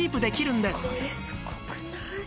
これすごくない？